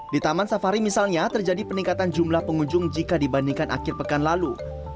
di taman safari misalnya terjadi peningkatan jumlah pengunjung jika dibandingkan akhir pekan lalu